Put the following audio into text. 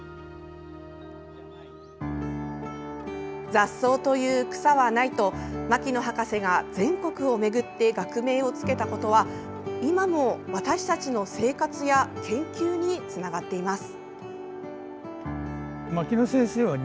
雑草という草はないと牧野博士が全国を巡って学名をつけたことは今も私たちの生活や研究につながっています。